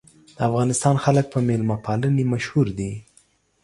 د افغانستان خلک په میلمه پالنې مشهور دي.